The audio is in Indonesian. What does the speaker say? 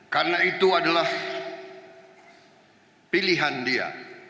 karena itu adalah pilihan dia